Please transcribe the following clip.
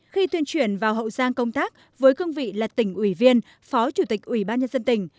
khi tuyên truyền vào hậu giang công tác với cương vị là tỉnh ủy viên phó chủ tịch ủy ban nhân dân tỉnh